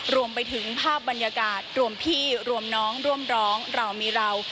รวมไปถึงภาพบรรยากาศรวมพี่รวมน้องร่วมร้องเรามีเรา